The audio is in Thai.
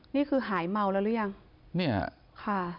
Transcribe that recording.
นี่คือหายเมาแล้วหรือยัง